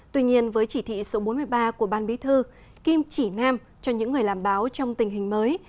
tuy nhiên với chỉ thị số bốn mươi ba của ban bí thư kim chỉ nam cho những người làm báo trong tình hình mới